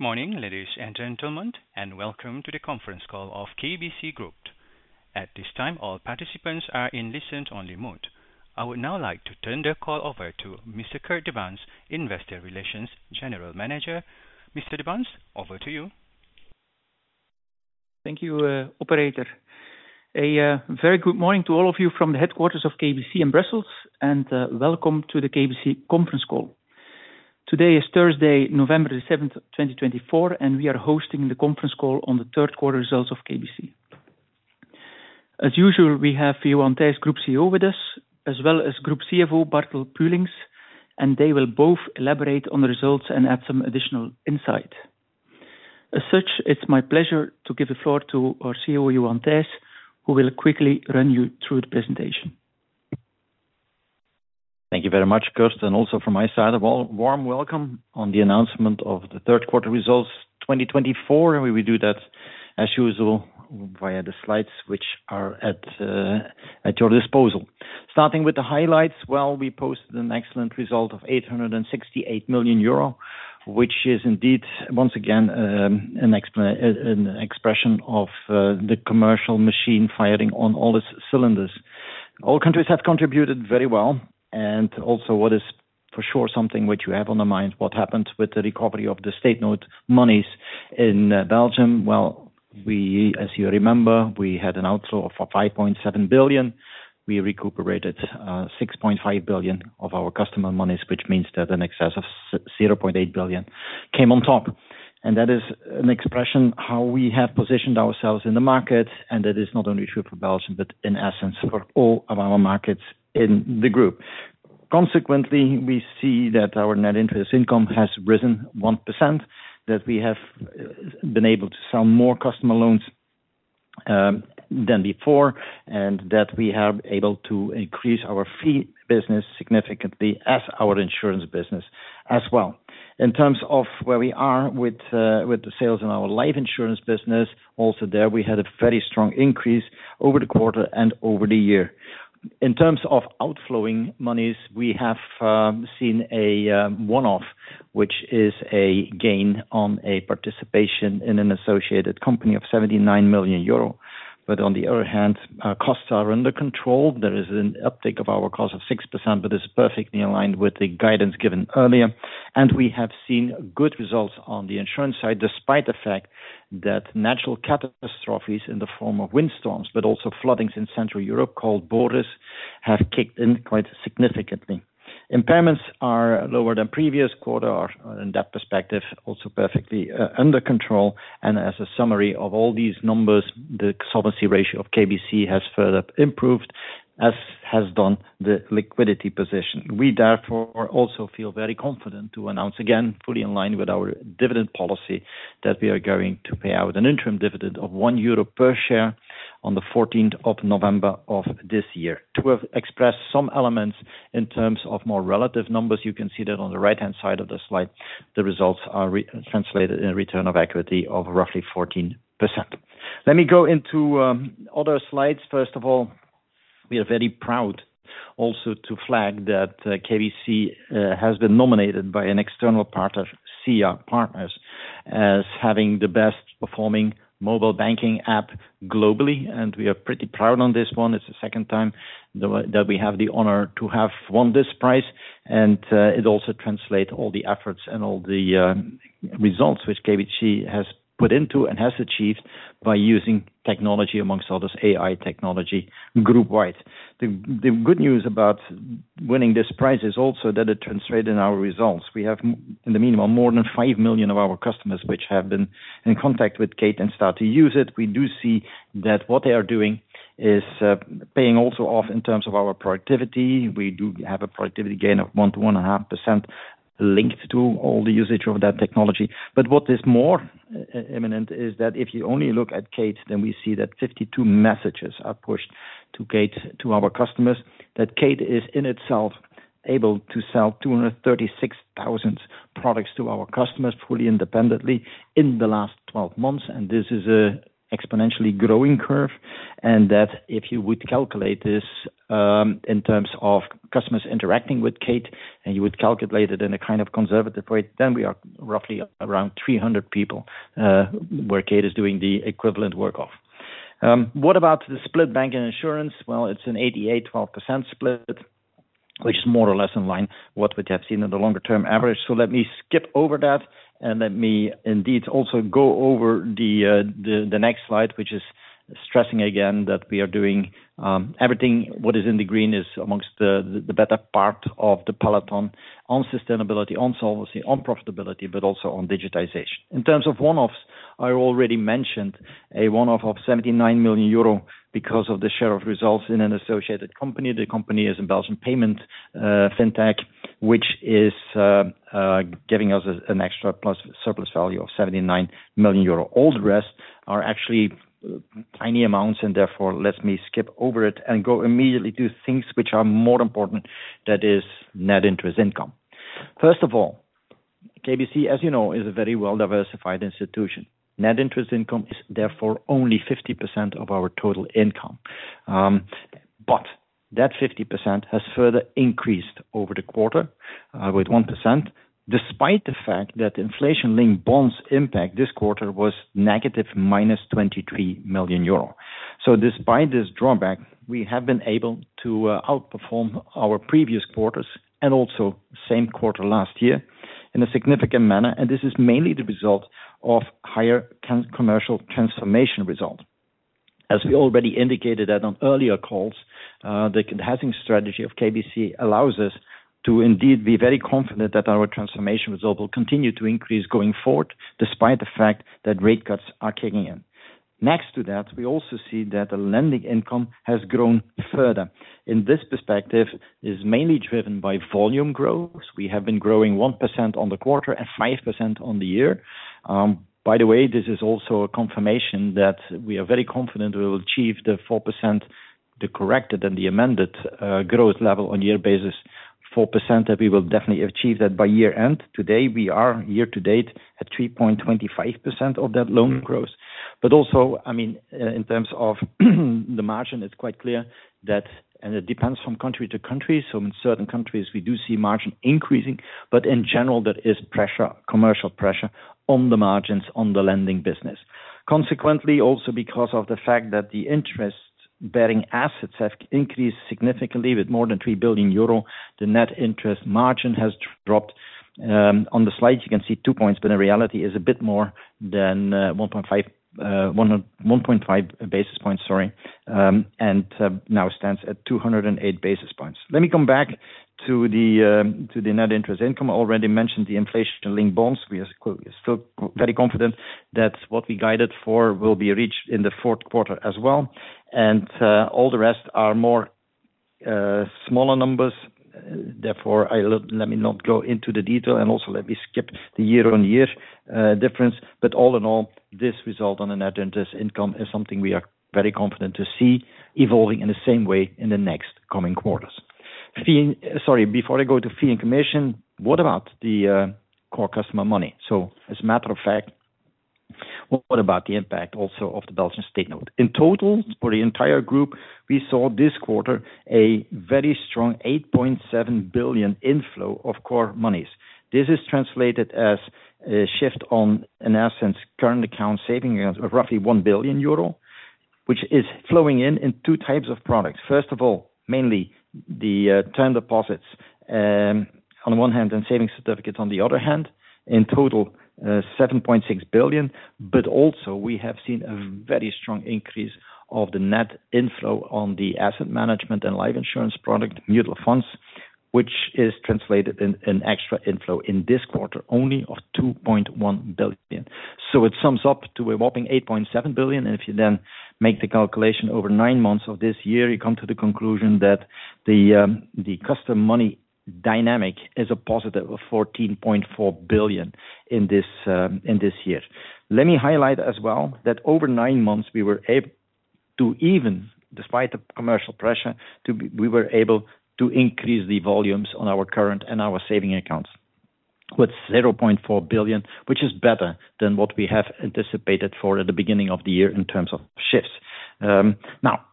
Good morning, ladies and gentlemen, and welcome to the conference call of KBC Group. At this time, all participants are in listen-only mode. I would now like to turn the call over to Mr. Kurt De Baenst, Investor Relations General Manager. Mr. De Baenst, over to you. Thank you, Operator. A very good morning to all of you from the headquarters of KBC in Brussels, and welcome to the KBC conference call. Today is Thursday, November 7th, 2024, and we are hosting the conference call on the third-quarter results of KBC. As usual, we have Johan Thijs, Group CEO, with us, as well as Group CFO Bartel Puelinckx, and they will both elaborate on the results and add some additional insight. As such, it's my pleasure to give the floor to our CEO, Johan Thijs, who will quickly run you through the presentation. Thank you very much, Kurt. And also from my side, a warm welcome on the announcement of the third-quarter results 2024. We will do that, as usual, via the slides which are at your disposal. Starting with the highlights, well, we posted an excellent result of 868 million euro, which is indeed, once again, an expression of the commercial machine firing on all its cylinders. All countries have contributed very well. And also, what is for sure something which you have on the mind, what happened with the recovery of the state note monies in Belgium? Well, as you remember, we had an outflow of 5.7 billion. We recuperated 6.5 billion of our customer monies, which means that an excess of 0.8 billion came on top. That is an expression of how we have positioned ourselves in the market, and that is not only true for Belgium, but in essence for all of our markets in the Group. Consequently, we see that our net interest income has risen 1%, that we have been able to sell more customer loans than before, and that we have been able to increase our fee business significantly as our insurance business as well. In terms of where we are with the sales in our life insurance business, also there we had a very strong increase over the quarter and over the year. In terms of outflowing monies, we have seen a one-off, which is a gain on a participation in an associated company of 79 million euro. On the other hand, costs are under control. There is an uptake of our cost of 6%, but this is perfectly aligned with the guidance given earlier. And we have seen good results on the insurance side, despite the fact that natural catastrophes in the form of windstorms, but also floodings in Central Europe called Boris, have kicked in quite significantly. Impairments are lower than previous quarter in that perspective, also perfectly under control. And as a summary of all these numbers, the solvency ratio of KBC has further improved, as has done the liquidity position. We, therefore, also feel very confident to announce again, fully in line with our dividend policy, that we are going to pay out an interim dividend of 1 euro per share on the 14th of November of this year. To have expressed some elements in terms of more relative numbers, you can see that on the right-hand side of the slide, the results are translated in a return of equity of roughly 14%. Let me go into other slides. First of all, we are very proud also to flag that KBC has been nominated by an external partner, Sia Partners, as having the best-performing mobile banking app globally, and we are pretty proud on this one. It's the second time that we have the honor to have won this prize, and it also translates all the efforts and all the results which KBC has put into and has achieved by using technology, among others, AI technology group-wide. The good news about winning this prize is also that it translated in our results. We have, in the meanwhile, more than 5 million of our customers which have been in contact with Kate and start to use it. We do see that what they are doing is paying also off in terms of our productivity. We do have a productivity gain of 1%-1.5% linked to all the usage of that technology. But what is more imminent is that if you only look at Kate, then we see that 52 messages are pushed to Kate to our customers, that Kate is in itself able to sell 236,000 products to our customers fully independently in the last 12 months, and this is an exponentially growing curve. That if you would calculate this in terms of customers interacting with Kate, and you would calculate it in a kind of conservative way, then we are roughly around 300 people where Kate is doing the equivalent work off. What about the split bank and insurance? Well, it's an 88%/12% split, which is more or less in line with what we have seen in the longer-term average. So let me skip over that, and let me indeed also go over the next slide, which is stressing again that we are doing everything what is in the green is amongst the better part of the peloton on sustainability, on solvency, on profitability, but also on digitization. In terms of one-offs, I already mentioned a one-off of 79 million euro because of the share of results in an associated company. The company is a Belgian payment fintech, which is giving us an extra plus surplus value of 79 million euro. All the rest are actually tiny amounts, and therefore let me skip over it and go immediately to things which are more important, that is net interest income. First of all, KBC, as you know, is a very well-diversified institution. Net interest income is therefore only 50% of our total income. But that 50% has further increased over the quarter with 1%, despite the fact that inflation-linked bonds' impact this quarter was negative -23 million euro. So despite this drawback, we have been able to outperform our previous quarters and also same quarter last year in a significant manner. And this is mainly the result of higher commercial transformation result. As we already indicated that on earlier calls, the containment strategy of KBC allows us to indeed be very confident that our transformation result will continue to increase going forward, despite the fact that rate cuts are kicking in. Next to that, we also see that the lending income has grown further. In this perspective, it is mainly driven by volume growth. We have been growing 1% on the quarter and 5% on the year. By the way, this is also a confirmation that we are very confident we will achieve the 4%, the corrected and the amended growth level on a year basis, 4% that we will definitely achieve that by year-end. Today, we are year-to-date at 3.25% of that loan growth. But also, I mean, in terms of the margin, it's quite clear that, and it depends from country to country. So in certain countries, we do see margin increasing, but in general, there is pressure, commercial pressure on the margins on the lending business. Consequently, also because of the fact that the interest-bearing assets have increased significantly with more than 3 billion euro, the net interest margin has dropped. On the slide, you can see two points, but in reality, it is a bit more than 1.5 basis points, sorry, and now stands at 208 basis points. Let me come back to the net interest income. I already mentioned the inflation-linked bonds. We are still very confident that what we guided for will be reached in the fourth quarter as well. And all the rest are more smaller numbers. Therefore, let me not go into the detail, and also let me skip the year-on-year difference. But all in all, this result on the net interest income is something we are very confident to see evolving in the same way in the next coming quarters. Sorry, before I go to fee and commission, what about the core customer money? So as a matter of fact, what about the impact also of the Belgian State Note? In total, for the entire group, we saw this quarter a very strong 8.7 billion inflow of core monies. This is translated as a shift on, in essence, current account saving roughly 1 billion euro, which is flowing in in two types of products. First of all, mainly the term deposits on the one hand and savings certificates on the other hand, in total 7.6 billion. But also, we have seen a very strong increase of the net inflow on the asset management and life insurance product, mutual funds, which is translated in an extra inflow in this quarter only of 2.1 billion. So it sums up to a whopping 8.7 billion. And if you then make the calculation over nine months of this year, you come to the conclusion that the customer money dynamic is a positive of 14.4 billion in this year. Let me highlight as well that over nine months, we were able to even, despite the commercial pressure, we were able to increase the volumes on our current and our saving accounts with 0.4 billion, which is better than what we have anticipated for at the beginning of the year in terms of shifts. Now,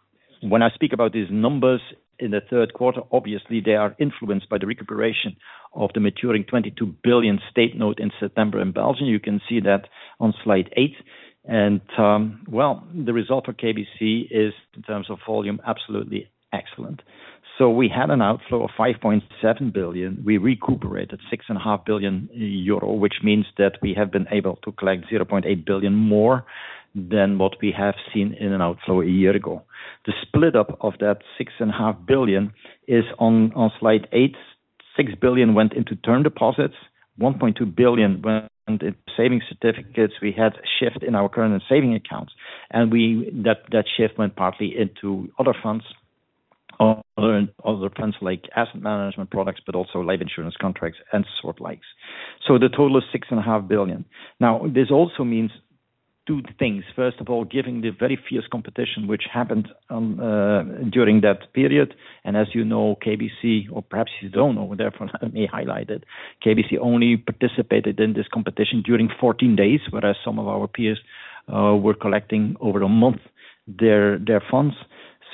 when I speak about these numbers in the third quarter, obviously, they are influenced by the recuperation of the maturing 22 billion State Note in September in Belgium. You can see that on slide eight. And well, the result for KBC is, in terms of volume, absolutely excellent. So we had an outflow of 5.7 billion. We recuperated 6.5 billion euro, which means that we have been able to collect 0.8 billion more than what we have seen in an outflow a year ago. The split-up of that 6.5 billion is on slide eight. 6 billion went into term deposits. 1.2 billion went into savings certificates. We had a shift in our current savings accounts, and that shift went partly into other funds, other funds like asset management products, but also life insurance contracts and suchlike. So the total is 6.5 billion. Now, this also means two things. First of all, given the very fierce competition which happened during that period. As you know, KBC, or perhaps you don't know, therefore let me highlight it, KBC only participated in this competition during 14 days, whereas some of our peers were collecting over a month their funds.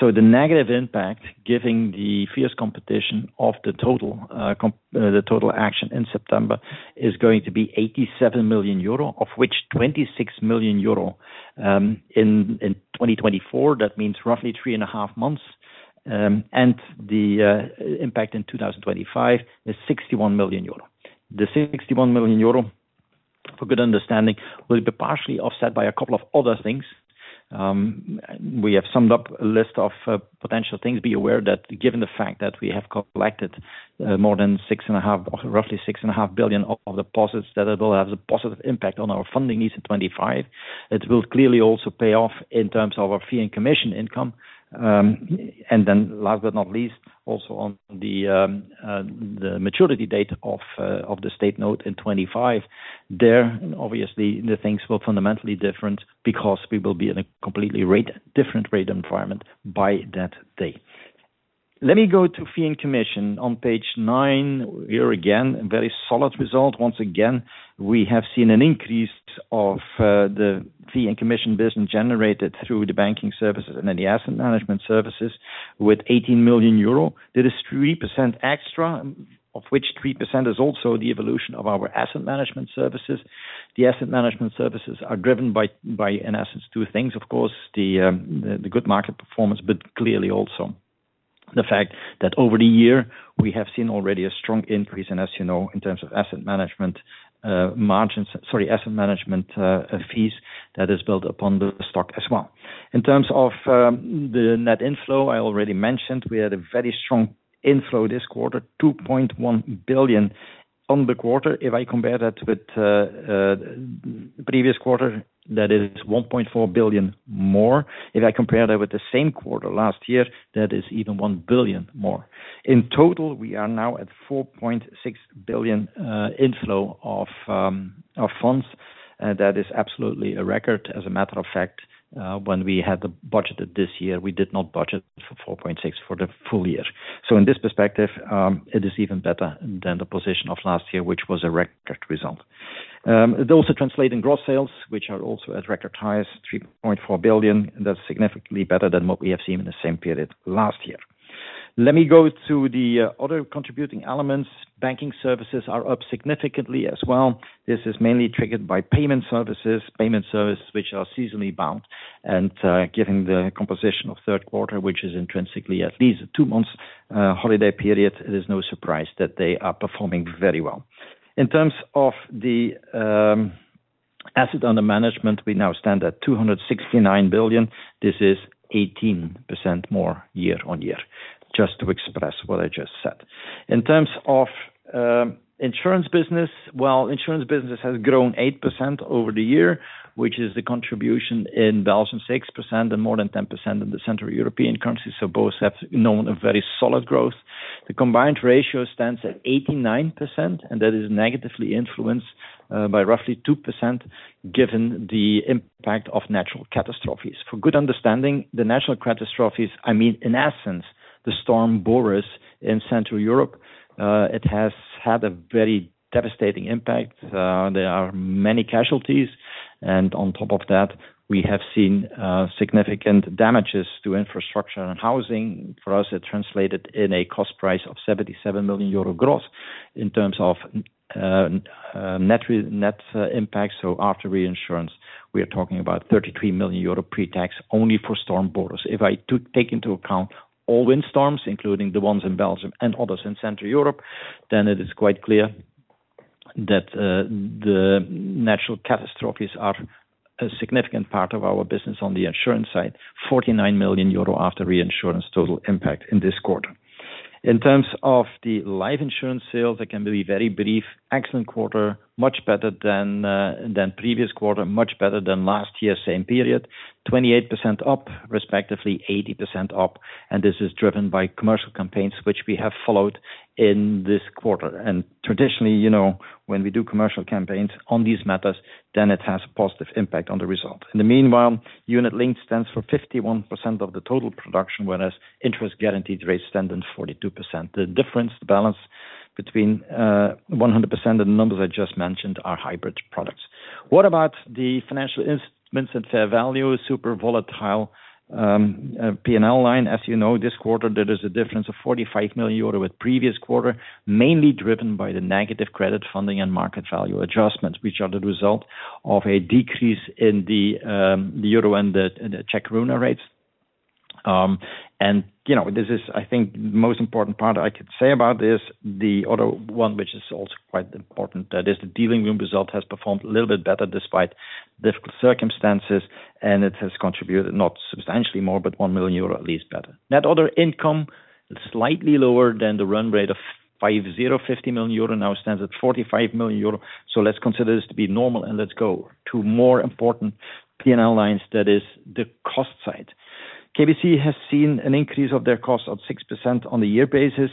The negative impact given the fierce competition of the total action in September is going to be 87 million euro, of which 26 million euro in 2024. That means roughly 3.5 months. The impact in 2025 is 61 million euro. The 61 million euro, for good understanding, will be partially offset by a couple of other things. We have summed up a list of potential things. Be aware that given the fact that we have collected more than 6.5 billion, roughly 6.5 billion of deposits that will have a positive impact on our funding needs in 2025, it will clearly also pay off in terms of our fee and commission income. And then last but not least, also on the maturity date of the State Note in 2025, there obviously the things will fundamentally differ because we will be in a completely different rate environment by that day. Let me go to fee and commission on page nine here again, a very solid result. Once again, we have seen an increase of the fee and commission business generated through the banking services and then the asset management services with 18 million euro. That is 3% extra, of which 3% is also the evolution of our asset management services. The asset management services are driven by, in essence, two things, of course, the good market performance, but clearly also the fact that over the year we have seen already a strong increase in, as you know, in terms of asset management margins, sorry, asset management fees that is built upon the stock as well. In terms of the net inflow, I already mentioned we had a very strong inflow this quarter, 2.1 billion on the quarter. If I compare that with the previous quarter, that is 1.4 billion more. If I compare that with the same quarter last year, that is even 1 billion more. In total, we are now at 4.6 billion inflow of funds. That is absolutely a record. As a matter of fact, when we had the budgeted this year, we did not budget for 4.6 billion for the full year. In this perspective, it is even better than the position of last year, which was a record result. It also translated in gross sales, which are also at record highs, 3.4 billion. That's significantly better than what we have seen in the same period last year. Let me go to the other contributing elements. Banking services are up significantly as well. This is mainly triggered by payment services, payment services which are seasonally bound. And given the composition of third quarter, which is intrinsically at least a two-month holiday period, it is no surprise that they are performing very well. In terms of the asset under management, we now stand at 269 billion. This is 18% more year-on-year, just to express what I just said. In terms of insurance business, well, insurance business has grown 8% over the year, which is the contribution in Belgium 6% and more than 10% in the Central European countries. So both have known a very solid growth. The combined ratio stands at 89%, and that is negatively influenced by roughly 2% given the impact of natural catastrophes. For good understanding, the natural catastrophes, I mean, in essence, the storm Boris in Central Europe, it has had a very devastating impact. There are many casualties. And on top of that, we have seen significant damages to infrastructure and housing. For us, it translated in a cost price of 77 million euro gross in terms of net impact. So after reinsurance, we are talking about 33 million euro pre-tax only for storm Boris. If I take into account all windstorms, including the ones in Belgium and others in Central Europe, then it is quite clear that the natural catastrophes are a significant part of our business on the insurance side: 49 million euro after reinsurance total impact in this quarter. In terms of the life insurance sales, I can be very brief. Excellent quarter, much better than previous quarter, much better than last year, same period, 28% up, respectively, 80% up, and this is driven by commercial campaigns, which we have followed in this quarter, and traditionally, when we do commercial campaigns on these matters, then it has a positive impact on the result. In the meanwhile, unit-linked stands for 51% of the total production, whereas interest-guaranteed rates stand on 42%. The difference, the balance between 100% and the numbers I just mentioned are hybrid products. What about the financial instruments and fair value, super volatile P&L line? As you know, this quarter, there is a difference of 45 million euro with previous quarter, mainly driven by the negative credit funding and market value adjustments, which are the result of a decrease in the euro and the Czech koruna rates, and this is, I think, the most important part I could say about this, the other one, which is also quite important, that is the dealing room result has performed a little bit better despite difficult circumstances, and it has contributed not substantially more, but 1 million euro at least better. Net other income slightly lower than the run rate of 50 million euro, 50 million euro now stands at 45 million euro, so let's consider this to be normal, and let's go to more important P&L lines, that is the cost side. KBC has seen an increase of their costs of 6% on the year basis,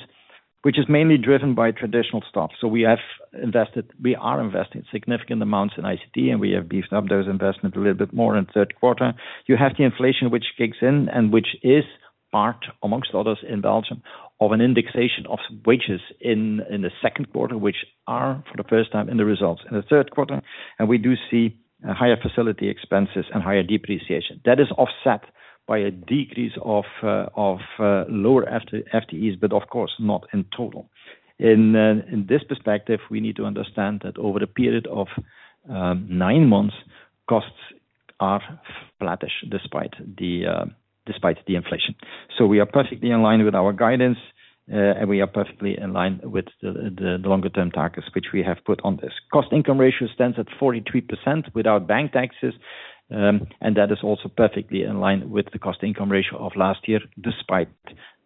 which is mainly driven by traditional stocks. So we have invested, we are investing significant amounts in ICT, and we have beefed up those investments a little bit more in third quarter. You have the inflation, which kicks in and which is part, among others in Belgium, of an indexation of wages in the second quarter, which are for the first time in the results in the third quarter. We do see higher facility expenses and higher depreciation. That is offset by a decrease of lower FTEs, but of course, not in total. In this perspective, we need to understand that over the period of nine months, costs are flattish despite the inflation. We are perfectly in line with our guidance, and we are perfectly in line with the longer-term targets which we have put on this. Cost income ratio stands at 43% without bank taxes, and that is also perfectly in line with the cost income ratio of last year despite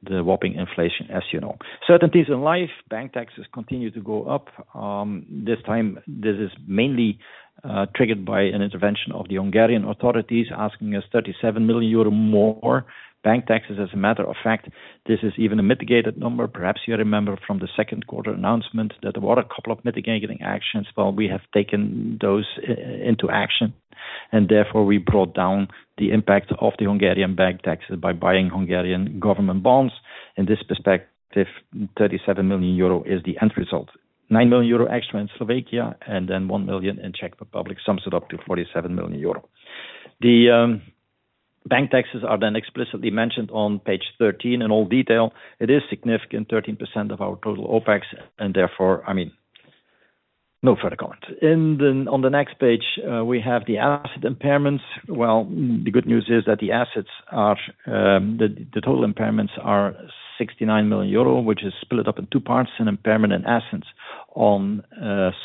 the whopping inflation, as you know. Certainties in life, bank taxes continue to go up. This time, this is mainly triggered by an intervention of the Hungarian authorities asking us 37 million euro more. Bank taxes, as a matter of fact, this is even a mitigated number. Perhaps you remember from the second quarter announcement that there were a couple of mitigating actions. Well, we have taken those into action, and therefore we brought down the impact of the Hungarian bank taxes by buying Hungarian government bonds. In this perspective, 37 million euro is the end result. 9 million euro extra in Slovakia, and then 1 million in Czech Republic sums it up to 47 million euro. The bank taxes are then explicitly mentioned on page 13 in all detail. It is significant, 13% of our total OpEx, and therefore, I mean, no further comments. On the next page, we have the asset impairments. The good news is that the total impairments are 69 million euro, which is split up in two parts, an impairment in assets on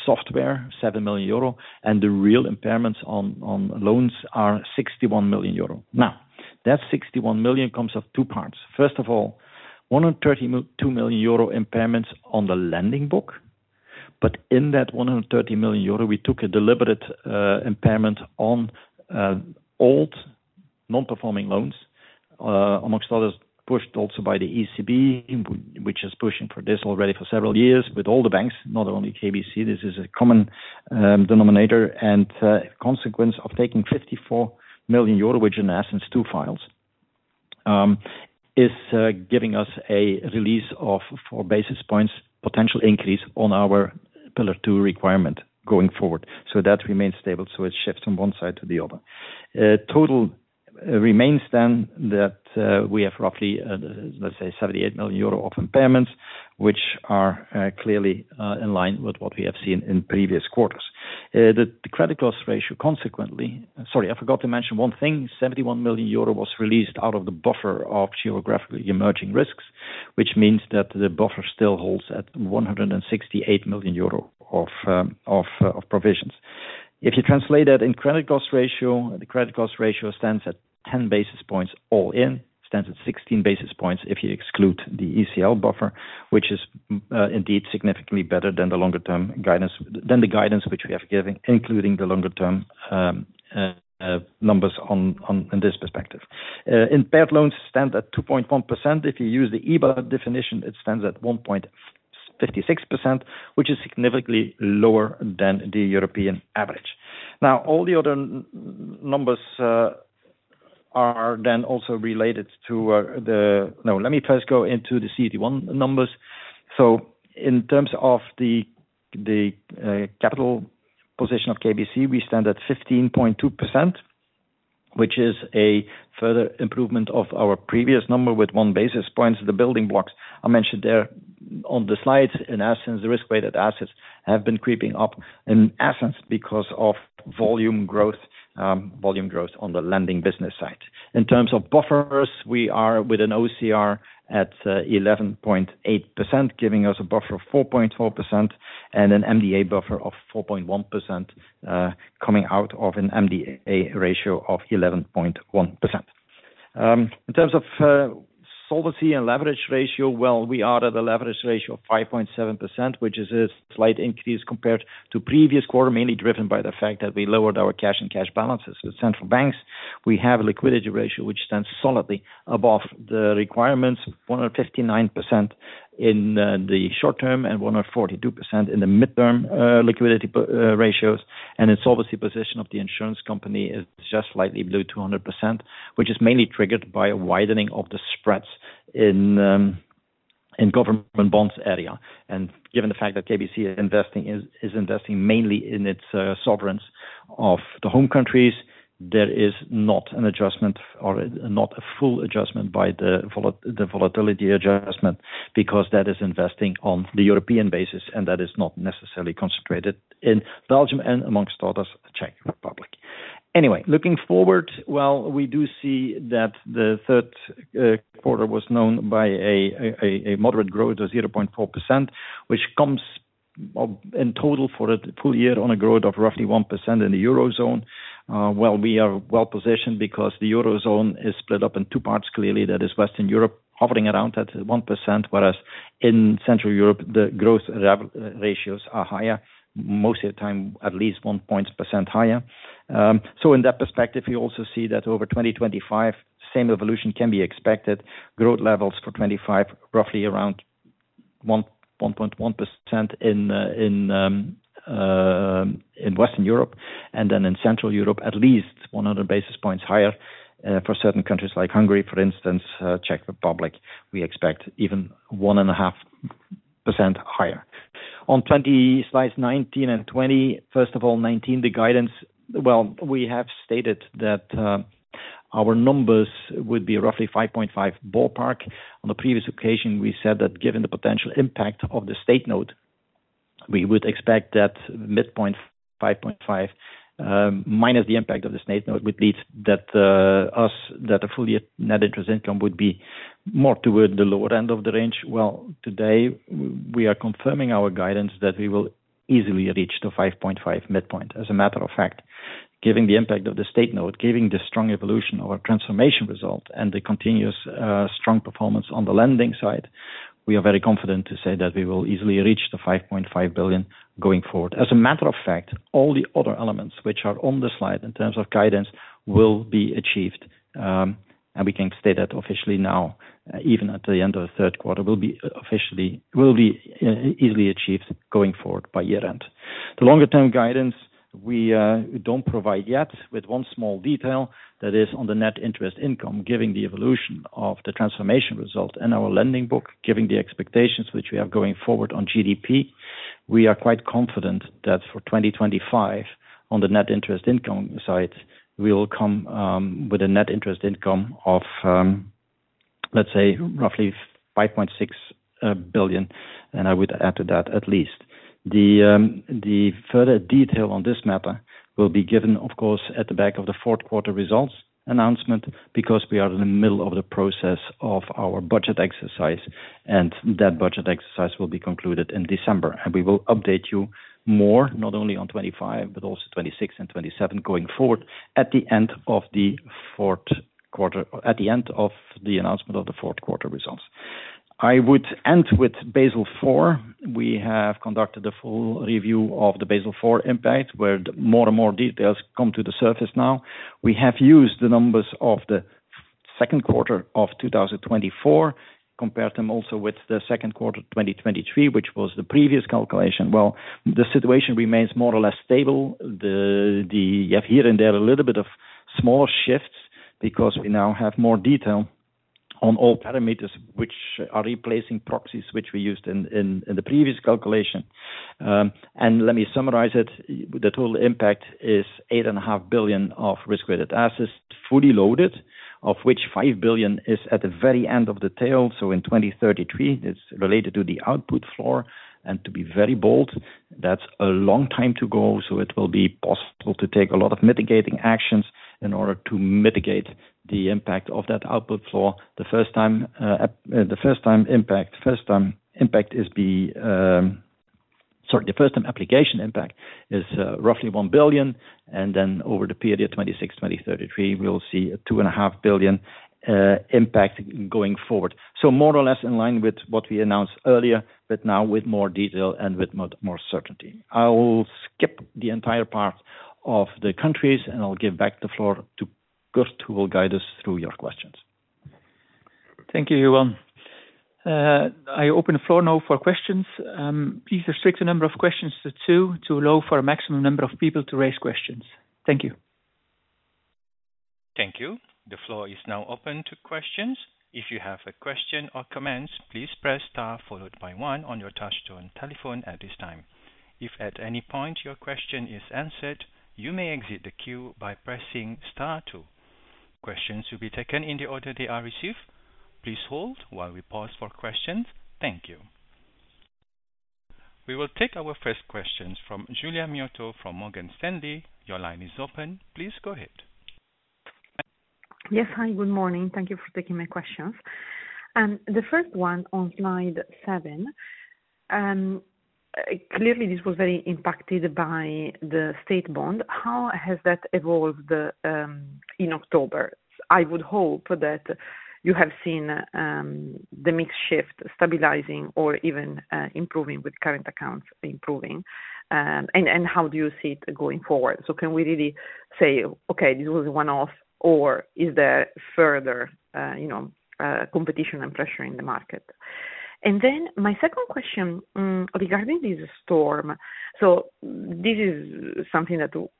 software, 7 million euro, and the real impairments on loans are 61 million euro. Now, that 61 million comes off two parts. First of all, 132 million euro impairments on the lending book. But in that 130 million euro, we took a deliberate impairment on old non-performing loans, among others pushed also by the ECB, which is pushing for this already for several years with all the banks, not only KBC. This is a common denominator. And consequence of taking 54 million euro, which, in essence, two files, is giving us a release of four basis points potential increase on our Pillar 2 Requirement going forward. So that remains stable. So it shifts from one side to the other. Total remains then that we have roughly, let's say, 78 million euro of impairments, which are clearly in line with what we have seen in previous quarters. The credit loss ratio, consequently, sorry, I forgot to mention one thing. 71 million euro was released out of the buffer of geographically emerging risks, which means that the buffer still holds at 168 million euro of provisions. If you translate that in credit loss ratio, the credit loss ratio stands at 10 basis points all in, stands at 16 basis points if you exclude the ECL buffer, which is indeed significantly better than the longer-term guidance, than the guidance which we have given, including the longer-term numbers in this perspective. Impaired loans stand at 2.1%. If you use the EBA definition, it stands at 1.56%, which is significantly lower than the European average. Now, all the other numbers are then also related to the, no, let me first go into the CET1 numbers. So in terms of the capital position of KBC, we stand at 15.2%, which is a further improvement of our previous number with 1 basis points. The building blocks I mentioned there on the slides, in essence, the risk-weighted assets have been creeping up in essence because of volume growth, volume growth on the lending business side. In terms of buffers, we are with a OCR at 11.8%, giving us a buffer of 4.4% and an MDA buffer of 4.1% coming out of an MDA ratio of 11.1%. In terms of solvency and leverage ratio, well, we are at a leverage ratio of 5.7%, which is a slight increase compared to previous quarter, mainly driven by the fact that we lowered our cash and cash balances with central banks. We have a liquidity ratio which stands solidly above the requirements, 159% in the short term and 142% in the midterm liquidity ratios. The solvency position of the insurance company is just slightly below 200%, which is mainly triggered by a widening of the spreads in government bonds area. Given the fact that KBC is investing mainly in its sovereigns of the home countries, there is not an adjustment or not a full adjustment by the volatility adjustment because that is investing on the European basis and that is not necessarily concentrated in Belgium and amongst others, Czech Republic. Anyway, looking forward, well, we do see that the third quarter was known by a moderate growth of 0.4%, which comes in total for the full year on a growth of roughly 1% in the eurozone. We are well positioned because the eurozone is split up in two parts clearly. That is Western Europe hovering around at 1%, whereas in Central Europe, the growth ratios are higher, most of the time at least 1 percentage point higher, so in that perspective, we also see that over 2025, same evolution can be expected. Growth levels for 2025, roughly around 1.1% in Western Europe and then in Central Europe, at least 100 basis points higher for certain countries like Hungary, for instance, Czech Republic. We expect even 1.5% higher. On slides 19 and 20, first of all, 19, the guidance, well, we have stated that our numbers would be roughly 5.5 billion ballpark. On a previous occasion, we said that given the potential impact of the State Note, we would expect that midpoint 5.5 billion minus the impact of the State Note would lead us, that a full net interest income would be more toward the lower end of the range. Today, we are confirming our guidance that we will easily reach the 5.5 billion midpoint. As a matter of fact, given the impact of the State Note, given the strong evolution of our transformation result and the continuous strong performance on the lending side, we are very confident to say that we will easily reach the 5.5 billion going forward. As a matter of fact, all the other elements which are on the slide in terms of guidance will be achieved, and we can state that officially now, even at the end of the third quarter, will be easily achieved going forward by year end. The longer-term guidance we don't provide yet with one small detail, that is on the net interest income, giving the evolution of the transformation result and our lending book, giving the expectations which we have going forward on GDP. We are quite confident that for 2025, on the net interest income side, we will come with a net interest income of, let's say, roughly 5.6 billion, and I would add to that at least. The further detail on this matter will be given, of course, at the back of the fourth quarter results announcement because we are in the middle of the process of our budget exercise, and that budget exercise will be concluded in December. We will update you more, not only on 2025, but also 2026 and 2027 going forward at the end of the fourth quarter, at the end of the announcement of the fourth quarter results. I would end with Basel IV. We have conducted a full review of the Basel IV impact where more and more details come to the surface now. We have used the numbers of the second quarter of 2024, compared them also with the second quarter 2023, which was the previous calculation. The situation remains more or less stable. You have here and there a little bit of small shifts because we now have more detail on all parameters which are replacing proxies which we used in the previous calculation. Let me summarize it. The total impact is 8.5 billion of risk-weighted assets fully loaded, of which 5 billion is at the very end of the tail. In 2033, it is related to the output floor. To be very bold, that is a long time to go. It will be possible to take a lot of mitigating actions in order to mitigate the impact of that output floor. The first-time application impact is roughly 1 billion. Then over the period 2026 to 2033, we'll see a 2.5 billion impact going forward. So more or less in line with what we announced earlier, but now with more detail and with more certainty. I'll skip the entire part of the countries, and I'll give back the floor to Kurt who will guide us through your questions. Thank you, Johan. I open the floor now for questions. Please restrict the number of questions to two, to allow for a maximum number of people to raise questions. Thank you. Thank you. The floor is now open to questions. If you have a question or comments, please press star followed by one on your touch-tone telephone at this time. If at any point your question is answered, you may exit the queue by pressing star two. Questions will be taken in the order they are received. Please hold while we pause for questions. Thank you. We will take our first questions from Giulia Miotto from Morgan Stanley. Your line is open. Please go ahead. Yes, hi, good morning. Thank you for taking my questions. The first one on slide seven, clearly this was very impacted by the state note. How has that evolved in October? I would hope that you have seen the mix shift stabilizing or even improving with current accounts improving. And how do you see it going forward? So can we really say, okay, this was a one-off, or is there further competition and pressure in the market? And then my second question regarding this storm, so this is something that will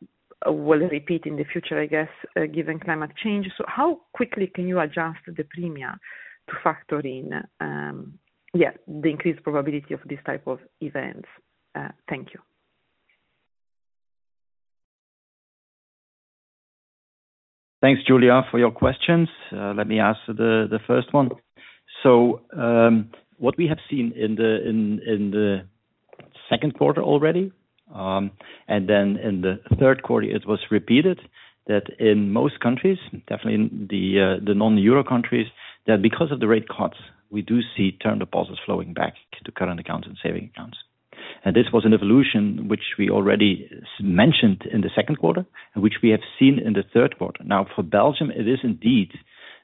repeat in the future, I guess, given climate change. So how quickly can you adjust the premia to factor in, yeah, the increased probability of this type of events? Thank you. Thanks, Giulia, for your questions. Let me ask the first one. So what we have seen in the second quarter already, and then in the third quarter, it was repeated that in most countries, definitely the non-Euro countries, that because of the rate cuts, we do see term deposits flowing back to current accounts and saving accounts. And this was an evolution which we already mentioned in the second quarter, which we have seen in the third quarter. Now, for Belgium, it is indeed,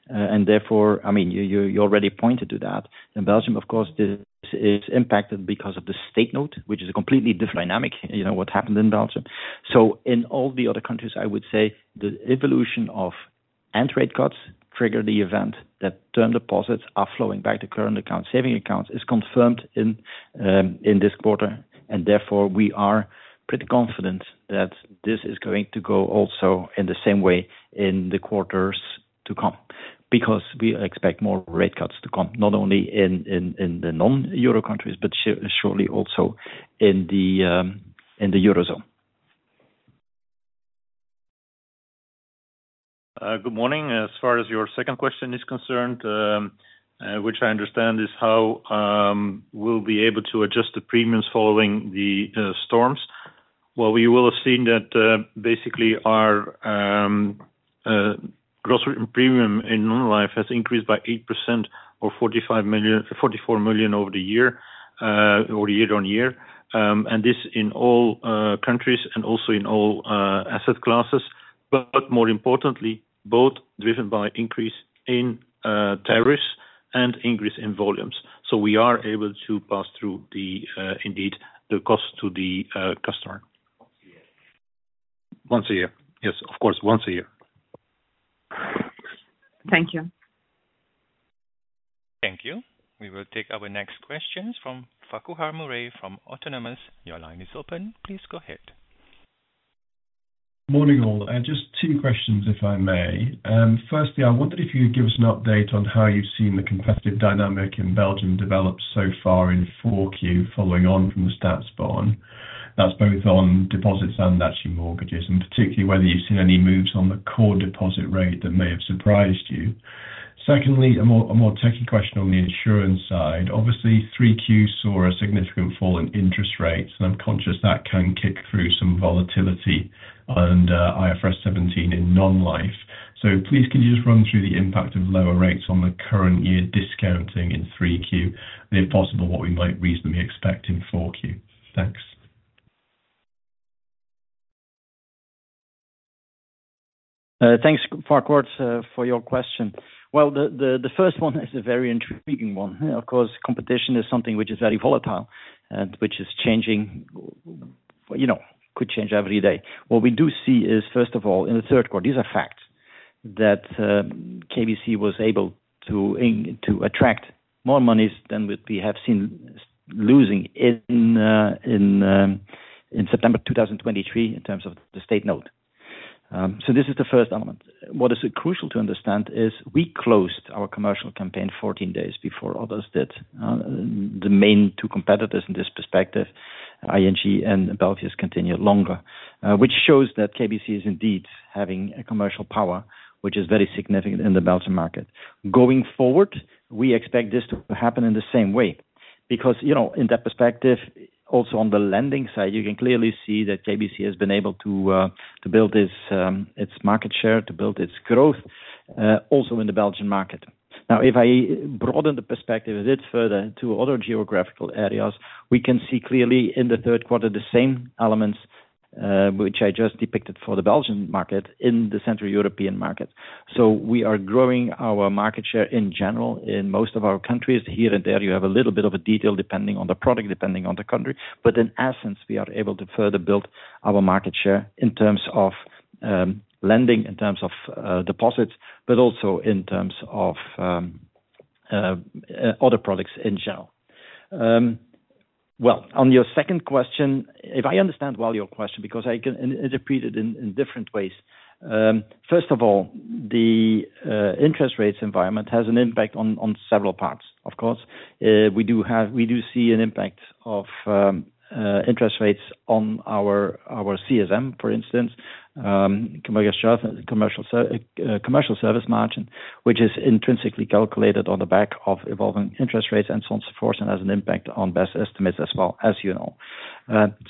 and therefore, I mean, you already pointed to that. In Belgium, of course, this is impacted because of the State Note, which is a completely different dynamic, what happened in Belgium. So in all the other countries, I would say the evolution and rate cuts triggered the event that term deposits are flowing back to current accounts, saving accounts is confirmed in this quarter. And therefore, we are pretty confident that this is going to go also in the same way in the quarters to come because we expect more rate cuts to come, not only in the non-Euro countries, but surely also in the eurozone. Good morning. As far as your second question is concerned, which I understand is how we'll be able to adjust the premiums following the storms. Well, we will have seen that basically our gross premium in non-life has increased by 8% or 44 million over the year, or year-on-year. And this in all countries and also in all asset classes, but more importantly, both driven by increase in tariffs and increase in volumes. So we are able to pass through indeed the cost to the customer. Once a year. Once a year. Yes, of course, once a year. Thank you. Thank you. We will take our next questions from Farquhar Murray from Autonomous Research. Your line is open. Please go ahead. Morning all. Just two questions, if I may. Firstly, I wondered if you could give us an update on how you've seen the competitive dynamic in Belgium develop so far in 4Q following on from the Staatsbon. That's both on deposits and actually mortgages, and particularly whether you've seen any moves on the core deposit rate that may have surprised you. Secondly, a more techy question on the insurance side. Obviously, 3Q saw a significant fall in interest rates, and I'm conscious that can kick through some volatility on IFRS 17 in non-life. So please could you just run through the impact of lower rates on the current year discounting in 3Q, and if possible, what we might reasonably expect in 4Q. Thanks. Thanks, Farquhar, for your question. The first one is a very intriguing one. Of course, competition is something which is very volatile and which is changing, could change every day. What we do see is, first of all, in the third quarter, these are facts that KBC was able to attract more monies than we have seen losing in September 2023 in terms of the State Note. So this is the first element. What is crucial to understand is we closed our commercial campaign 14 days before others did. The main two competitors in this perspective, ING and Belfius, continue longer, which shows that KBC is indeed having a commercial power, which is very significant in the Belgian market. Going forward, we expect this to happen in the same way because in that perspective, also on the lending side, you can clearly see that KBC has been able to build its market share, to build its growth also in the Belgian market. Now, if I broaden the perspective a bit further to other geographical areas, we can see clearly in the third quarter the same elements which I just depicted for the Belgian market in the Central European market. So we are growing our market share in general in most of our countries. Here and there, you have a little bit of a detail depending on the product, depending on the country. But in essence, we are able to further build our market share in terms of lending, in terms of deposits, but also in terms of other products in general. On your second question, if I understand well your question, because I can interpret it in different ways. First of all, the interest rates environment has an impact on several parts, of course. We do see an impact of interest rates on our CSM, for instance, Contractual Service Margin, which is intrinsically calculated on the back of evolving interest rates and so on and so forth, and has an impact on best estimates as well, as you know.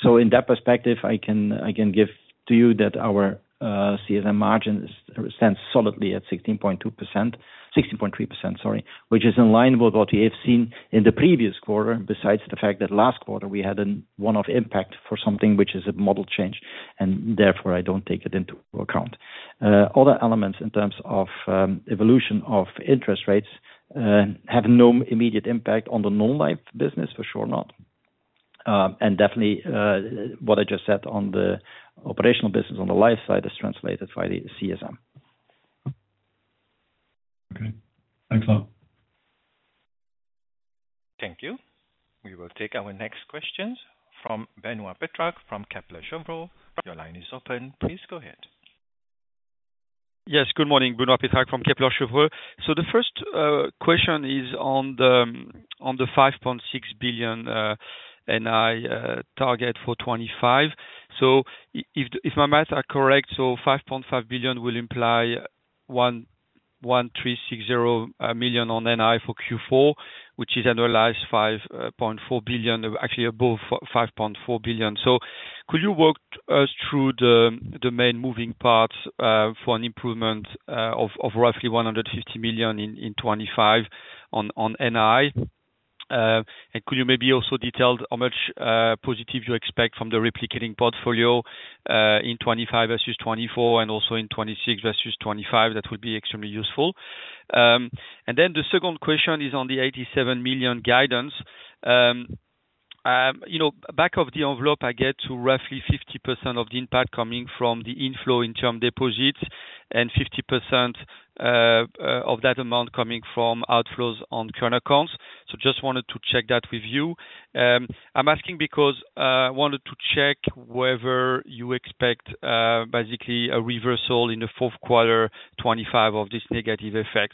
So in that perspective, I can give to you that our CSM margin stands solidly at 16.2%, 16.3%, sorry, which is in line with what we have seen in the previous quarter, besides the fact that last quarter we had one-off impact for something which is a model change, and therefore I don't take it into account. Other elements in terms of evolution of interest rates have no immediate impact on the non-life business, for sure not. And definitely what I just said on the operational business on the life side is translated by the CSM. Okay. Thanks, Johan. Thank you. We will take our next questions from Benoît Pétrarque from Kepler Cheuvreux. Your line is open. Please go ahead. Yes, good morning. Benoît Pétrarque from Kepler Cheuvreux. So the first question is on the 5.6 billion NII target for 2025. So if my math is correct, so 5.5 billion will imply 1,360 million on NII for Q4, which is another last 5.4 billion, actually above 5.4 billion. So could you walk us through the main moving parts for an improvement of roughly 150 million in 2025 on NII? Could you maybe also detail how much positive you expect from the replicating portfolio in 2025 versus 2024, and also in 2026 versus 2025? That would be extremely useful. And then the second question is on the 87 million guidance. Back of the envelope, I get to roughly 50% of the impact coming from the inflow in term deposits and 50% of that amount coming from outflows on current accounts. So just wanted to check that with you. I'm asking because I wanted to check whether you expect basically a reversal in the fourth quarter 2025 of this negative effect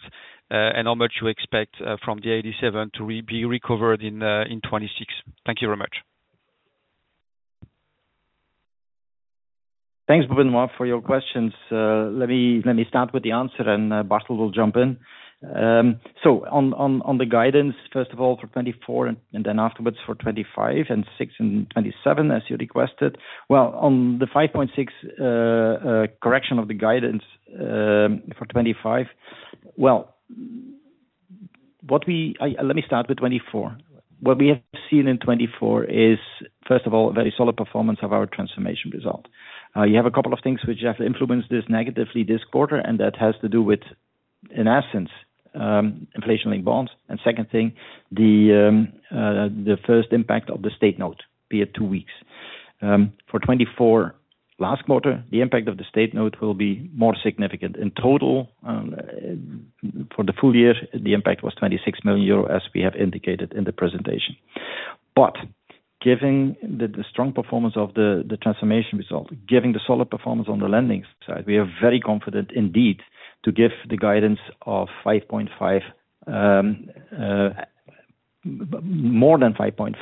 and how much you expect from the 87 million to be recovered in 2026. Thank you very much. Thanks, Benoît, for your questions. Let me start with the answer, and Bartel will jump in. On the guidance, first of all, for 2024, and then afterwards for 2025 and 2026 and 2027, as you requested. Well, on the 5.6 billion correction of the guidance for 2025, well, let me start with 2024. What we have seen in 2024 is, first of all, a very solid performance of our transformation result. You have a couple of things which have influenced this negatively this quarter, and that has to do with, in essence, inflationary bonds. And second thing, the first impact of the State Note, be it two weeks. For 2024, last quarter, the impact of the State Note will be more significant. In total, for the full year, the impact was 26 million euro, as we have indicated in the presentation. But given the strong performance of the transformation result, given the solid performance on the lending side, we are very confident indeed to give the guidance of more than 5.5 billion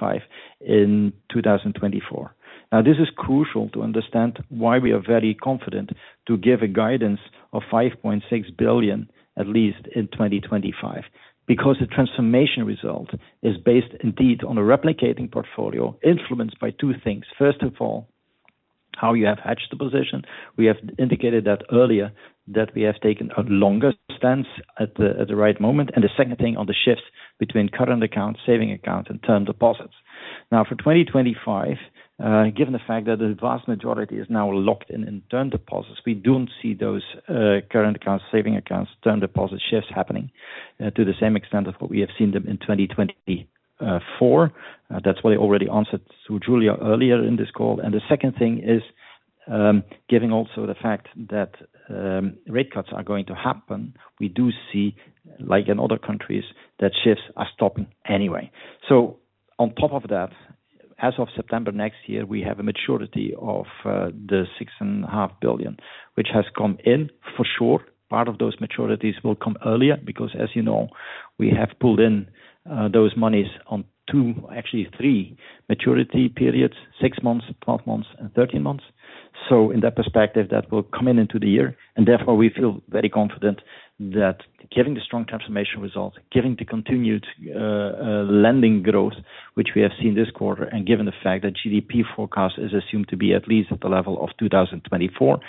in 2024. Now, this is crucial to understand why we are very confident to give a guidance of 5.6 billion, at least in 2025, because the transformation result is based indeed on a replicating portfolio influenced by two things. First of all, how you have hedged the position. We have indicated that earlier that we have taken a long stance at the right moment. And the second thing on the shifts between current accounts, saving accounts, and term deposits. Now, for 2025, given the fact that the vast majority is now locked in in term deposits, we don't see those current accounts, saving accounts, term deposit shifts happening to the same extent of what we have seen them in 2024. That's what I already answered to Giulia earlier in this call. And the second thing is, given also the fact that rate cuts are going to happen, we do see, like in other countries, that shifts are stopping anyway. So on top of that, as of September next year, we have a maturity of 6.5 billion, which has come in for sure. Part of those maturities will come earlier because, as you know, we have pulled in those monies on two, actually three maturity periods, six months, 12 months, and 13 months. So in that perspective, that will come in into the year. Therefore, we feel very confident that, given the strong transformation result, given the continued lending growth, which we have seen this quarter, and given the fact that GDP forecast is assumed to be at least at the level of 2024,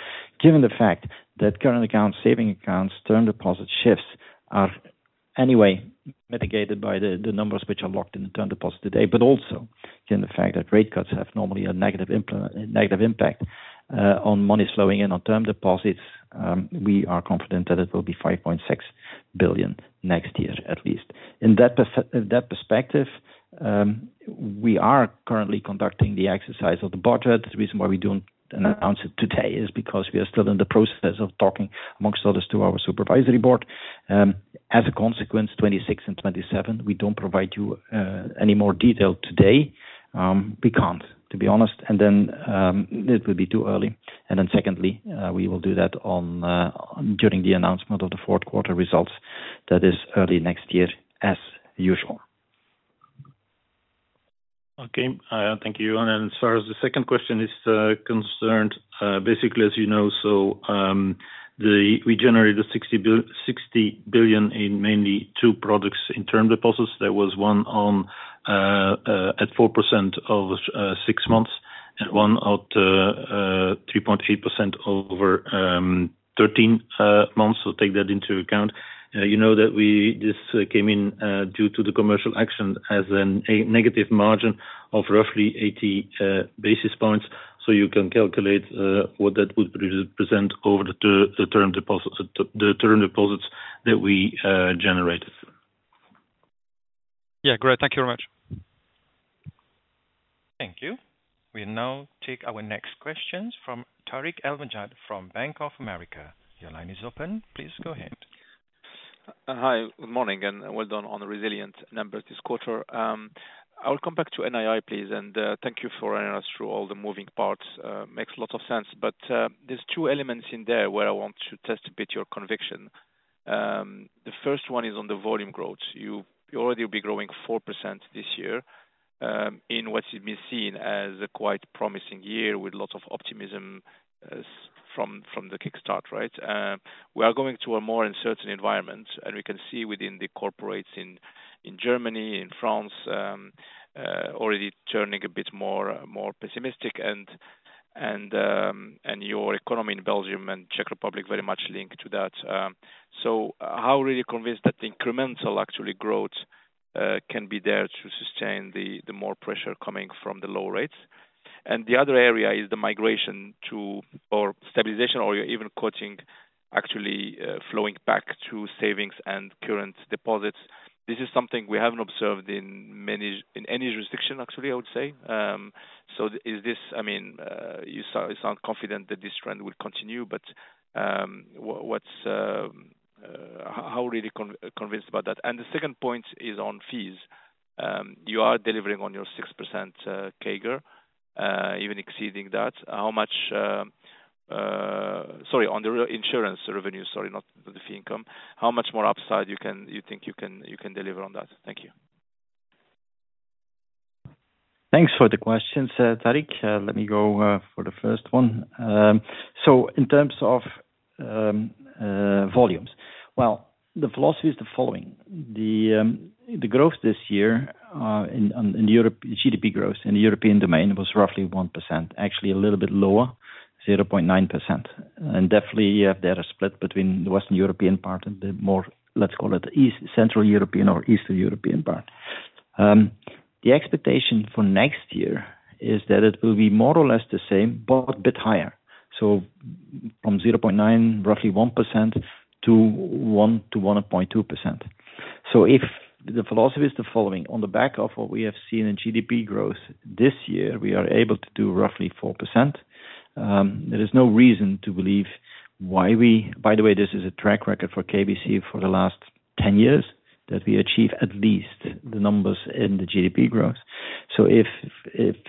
given the fact that current accounts, saving accounts, term deposit shifts are anyway mitigated by the numbers which are locked in the term deposit today, but also given the fact that rate cuts have normally a negative impact on money flowing in on term deposits, we are confident that it will be 5.6 billion next year, at least. In that perspective, we are currently conducting the exercise of the budget. The reason why we don't announce it today is because we are still in the process of talking, among others, to our supervisory board. As a consequence, 2026 and 2027, we don't provide you any more detail today. We can't, to be honest. And then it will be too early. And then secondly, we will do that during the announcement of the fourth quarter results. That is early next year, as usual. Okay. Thank you. And as far as the second question is concerned, basically, as you know, so we generated 60 billion in mainly two products in term deposits. There was one at 4% for six months and one at 3.8% over 13 months. So take that into account. You know that this came in due to the commercial action as a negative margin of roughly 80 basis points. So you can calculate what that would represent over the term deposits that we generated. Yeah. Great. Thank you very much. Thank you. We now take our next questions from Tarik El Mejjad from Bank of America. Your line is open. Please go ahead. Hi. Good morning and well done on the resilient numbers this quarter. I'll come back to NII, please, and thank you for running us through all the moving parts. Makes a lot of sense. But there's two elements in there where I want to test a bit your conviction. The first one is on the volume growth. You already will be growing 4% this year in what has been seen as a quite promising year with lots of optimism from the kickstart, right? We are going to a more uncertain environment, and we can see within the corporates in Germany, in France, already turning a bit more pessimistic, and your economy in Belgium and Czech Republic very much linked to that. So how are you convinced that the incremental actually growth can be there to sustain the more pressure coming from the low rates? And the other area is the migration to, or stabilization, or you're even quoting actually flowing back to savings and current deposits. This is something we haven't observed in any jurisdiction, actually, I would say. So is this, I mean, you sound confident that this trend will continue, but how are you convinced about that? And the second point is on fees. You are delivering on your 6% CAGR, even exceeding that. How much, sorry, on the insurance revenue, sorry, not the fee income, how much more upside do you think you can deliver on that? Thank you. Thanks for the questions, Tarik. Let me go for the first one. So in terms of volumes, well, the philosophy is the following. The growth this year in GDP growth in the European domain was roughly 1%, actually a little bit lower, 0.9%. Definitely, you have there a split between the Western European part and the more, let's call it, Central European or Eastern European part. The expectation for next year is that it will be more or less the same, but a bit higher. From 0.9%, roughly 1% to 1.2%. If the philosophy is the following, on the back of what we have seen in GDP growth this year, we are able to do roughly 4%. There is no reason to believe why we, by the way, this is a track record for KBC for the last 10 years that we achieve at least the numbers in the GDP growth. So if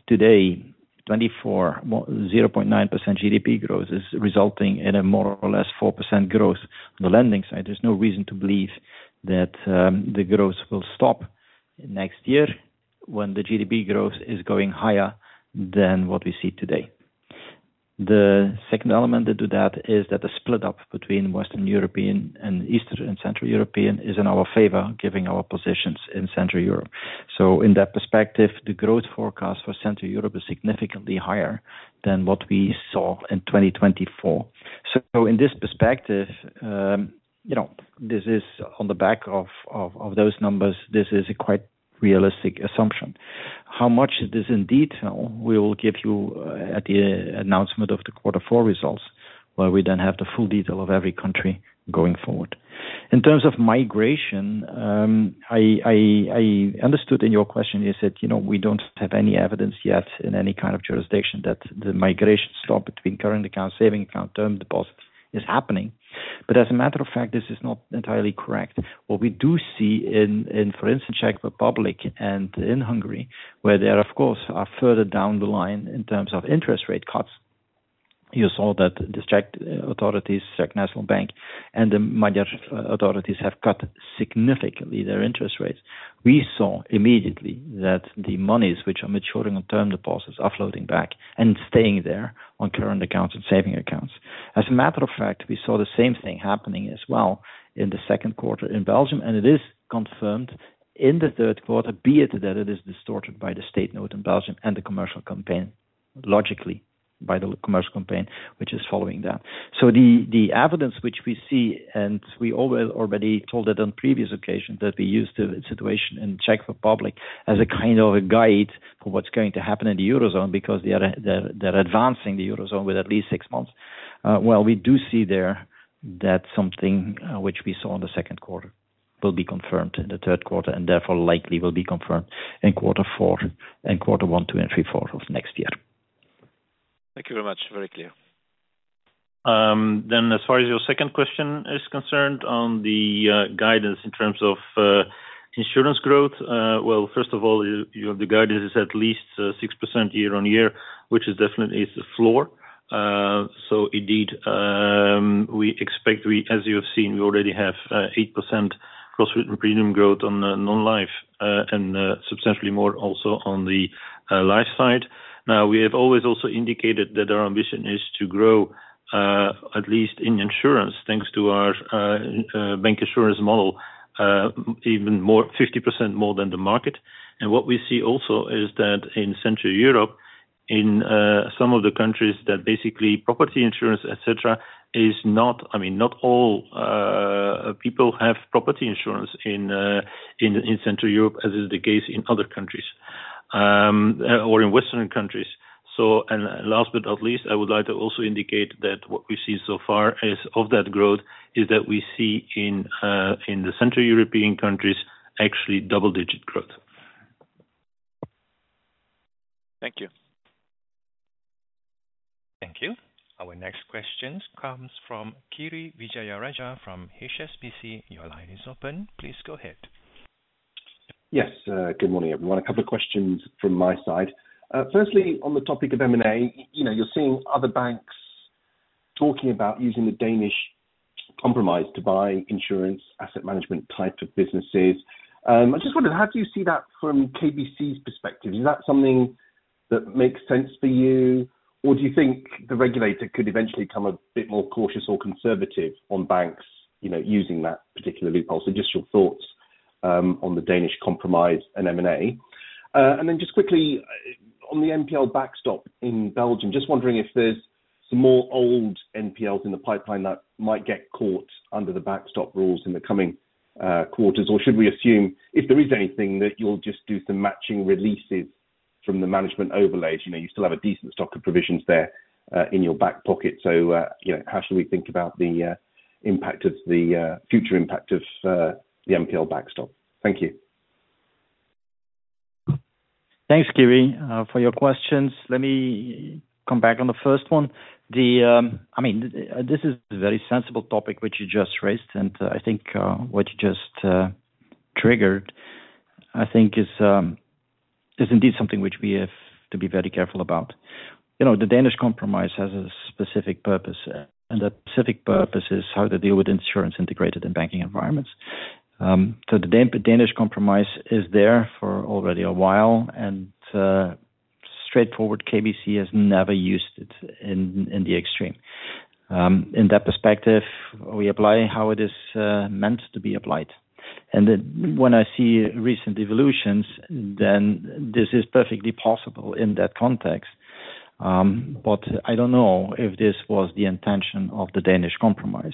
today in 2024, 0.9% GDP growth is resulting in a more or less 4% growth on the lending side, there's no reason to believe that the growth will stop next year when the GDP growth is going higher than what we see today. The second element to that is that the split up between Western Europe and Eastern and Central Europe is in our favor, giving our positions in Central Europe. So in that perspective, the growth forecast for Central Europe is significantly higher than what we saw in 2024. So in this perspective, this is on the back of those numbers, this is a quite realistic assumption. How much is this in detail? We will give you at the announcement of the quarter four results, where we then have the full detail of every country going forward. In terms of migration, I understood in your question, you said we don't have any evidence yet in any kind of jurisdiction that the migration stop between current account, saving account, term deposits is happening. But as a matter of fact, this is not entirely correct. What we do see in, for instance, Czech Republic and in Hungary, where there, of course, are further down the line in terms of interest rate cuts, you saw that the Czech authorities, Czech National Bank, and the Magyar authorities have cut significantly their interest rates. We saw immediately that the monies which are maturing on term deposits are flowing back and staying there on current accounts and saving accounts. As a matter of fact, we saw the same thing happening as well in the second quarter in Belgium, and it is confirmed in the third quarter, be it that it is distorted by the State Note in Belgium and the commercial campaign, logically by the commercial campaign, which is following that. So the evidence which we see, and we already told it on previous occasions, that we use the situation in Czech Republic as a kind of a guide for what's going to happen in the Eurozone because they're advancing the Eurozone with at least six months. Well, we do see there that something which we saw in the second quarter will be confirmed in the third quarter and therefore likely will be confirmed in quarter four and quarter one, two, and three quarters of next year. Thank you very much. Very clear. Then as far as your second question is concerned on the guidance in terms of insurance growth, well, first of all, the guidance is at least 6% year-on-year, which is definitely the floor. So indeed, we expect, as you have seen, we already have 8% gross premium growth on non-life and substantially more also on the life side. Now, we have always also indicated that our ambition is to grow at least in insurance, thanks to our bank insurance model, even 50% more than the market. And what we see also is that in Central Europe, in some of the countries that basically property insurance, etc., is not, I mean, not all people have property insurance in Central Europe, as is the case in other countries or in Western countries. And last but not least, I would like to also indicate that what we've seen so far of that growth is that we see in the Central European countries actually double-digit growth. Thank you. Thank you. Our next question comes from Kiri Vijayarajah from HSBC. Your line is open. Please go ahead. Yes. Good morning, everyone. A couple of questions from my side. Firstly, on the topic of M&A, you're seeing other banks talking about using the Danish Compromise to buy insurance asset management type of businesses. I just wondered, how do you see that from KBC's perspective? Is that something that makes sense for you, or do you think the regulator could eventually become a bit more cautious or conservative on banks using that particular loophole? So just your thoughts on the Danish Compromise and M&A. And then just quickly, on the NPL backstop in Belgium, just wondering if there's some more old NPLs in the pipeline that might get caught under the backstop rules in the coming quarters, or should we assume if there is anything that you'll just do some matching releases from the management overlay? You still have a decent stock of provisions there in your back pocket. So how should we think about the impact of the future impact of the NPL backstop? Thank you. Thanks, Kiri, for your questions. Let me come back on the first one. I mean, this is a very sensible topic which you just raised, and I think what you just triggered, I think, is indeed something which we have to be very careful about. The Danish Compromise has a specific purpose, and that specific purpose is how to deal with insurance integrated in banking environments. So the Danish Compromise is there for already a while, and straightforward. KBC has never used it in the extreme. In that perspective, we apply how it is meant to be applied. And when I see recent evolutions, then this is perfectly possible in that context. But I don't know if this was the intention of the Danish Compromise.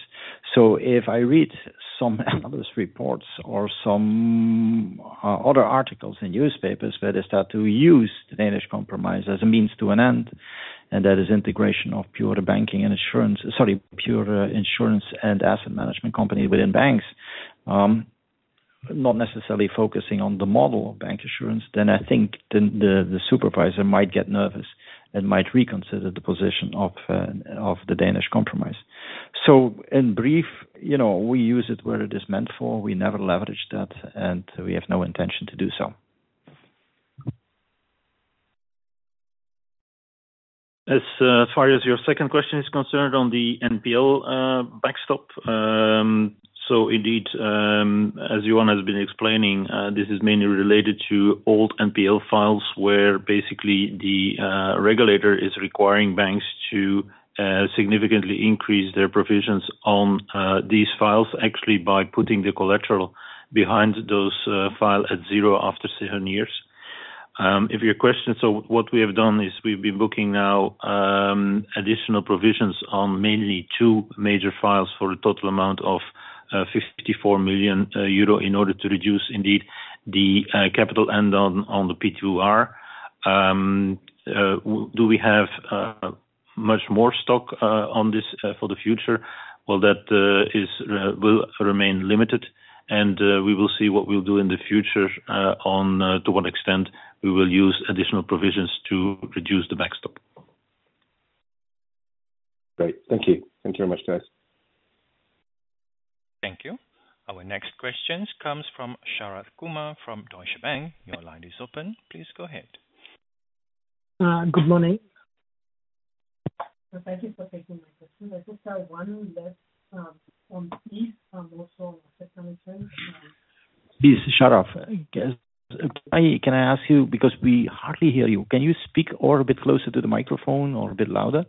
So if I read some analyst reports or some other articles in newspapers where they start to use the Danish Compromise as a means to an end, and that is integration of pure banking and insurance, sorry, pure insurance and asset management companies within banks, not necessarily focusing on the model of bank insurance, then I think the supervisor might get nervous and might reconsider the position of the Danish Compromise. So in brief, we use it where it is meant for. We never leverage that, and we have no intention to do so. As far as your second question is concerned on the NPL backstop, so indeed, as Johan has been explaining, this is mainly related to old NPL files where basically the regulator is requiring banks to significantly increase their provisions on these files, actually by putting the collateral behind those files at zero after seven years. If your question, so what we have done is we've been booking now additional provisions on mainly two major files for a total amount of 54 million euro in order to reduce indeed the capital add-on on the P2R. Do we have much more stock on this for the future? Well, that will remain limited, and we will see what we'll do in the future on to what extent we will use additional provisions to reduce the backstop. Great. Thank you. Thank you very much, guys. Thank you. Our next question comes from Sharath Kumar from Deutsche Bank. Your line is open. Please go ahead. Good morning. Thank you for taking my question. I just have one last. On fees, I'm also on a second turn. Yes, Sharath. Can I ask you, because we hardly hear you, can you speak a bit closer to the microphone or a bit louder?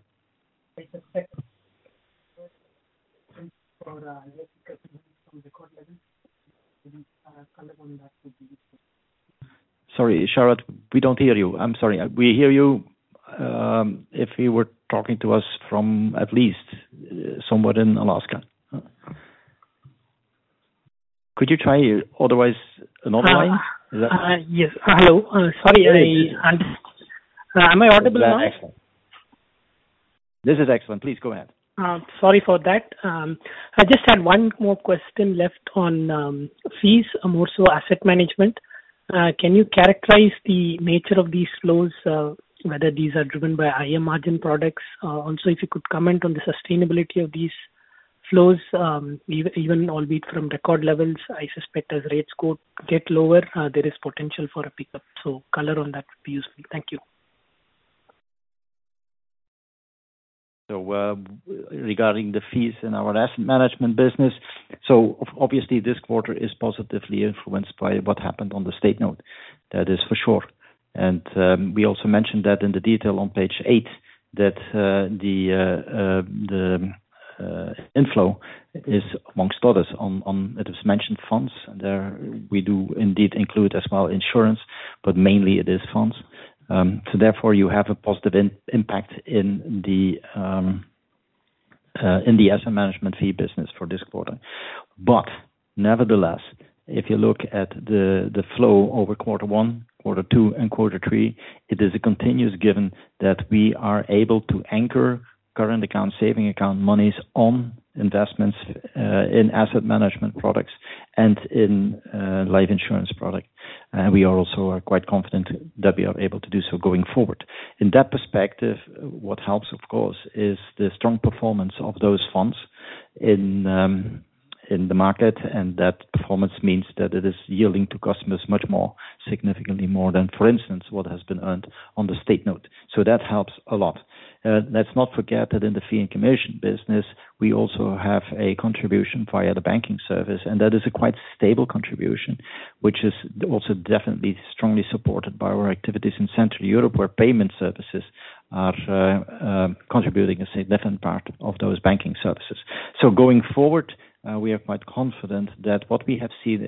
Sorry, Sharath, we don't hear you. I'm sorry. We hear you if you were talking to us from at least somewhere in Alaska. Could you try otherwise another line? Yes. Hello. Sorry, am I audible now? This is excellent. Please go ahead. Sorry for that. I just had one more question left on fees, more so asset management. Can you characterize the nature of these flows, whether these are driven by higher margin products? Also, if you could comment on the sustainability of these flows, even albeit from record levels, I suspect as rates get lower, there is potential for a pickup. So color on that would be useful. Thank you. So regarding the fees in our asset management business, so obviously this quarter is positively influenced by what happened on the State Note. That is for sure. And we also mentioned that in the detail on page eight, that the inflow is among others on investment funds. We do indeed include as well insurance, but mainly it is funds. So therefore, you have a positive impact in the asset management fee business for this quarter. But nevertheless, if you look at the flow over quarter one, quarter two, and quarter three, it is a continuous given that we are able to anchor current account, saving account monies on investments in asset management products and in life insurance products. And we are also quite confident that we are able to do so going forward. In that perspective, what helps, of course, is the strong performance of those funds in the market, and that performance means that it is yielding to customers much more significantly more than, for instance, what has been earned on the State Note. So that helps a lot. Let's not forget that in the fee and commission business, we also have a contribution via the banking service, and that is a quite stable contribution, which is also definitely strongly supported by our activities in Central Europe, where payment services are contributing a significant part of those banking services. So going forward, we are quite confident that what we have seen